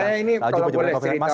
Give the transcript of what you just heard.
nah saya ini kalau boleh cerita mas aldi